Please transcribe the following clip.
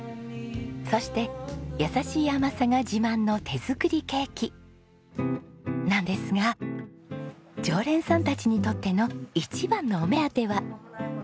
そして優しい甘さが自慢の手作りケーキなんですが常連さんたちにとっての一番のお目当ては。